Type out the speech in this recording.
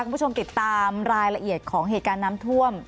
คุณผู้ชมติดตามรายละเอียดของเหตุการณ์น้ำท่วม